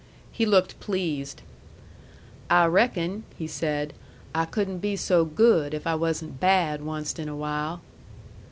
He looked pleased. "I reckon," he said, "I couldn't be so good if I wasn't bad onced in a while."